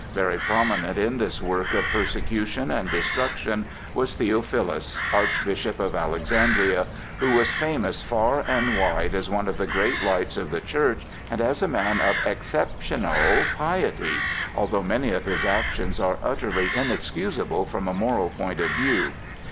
Very prominent in this work of persecution and destruction was Theophilus, Archbishop of Alexandria, who was famous far and wide as one of the great lights of the Church and as a man of exceptional piety, although many of his actions are utterly inexcusable from a moral point of view.